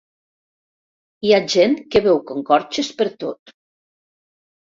Hi ha gent que veu conxorxes pertot.